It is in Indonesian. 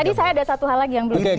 tadi saya ada satu hal lagi yang belum